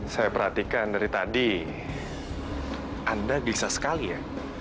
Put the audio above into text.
saya perhatikan dari tadi anda bisa sekali ya